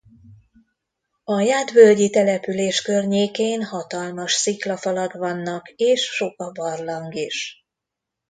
A Jád völgyi település környékén hatalmas sziklafalak vannak és sok a barlang is.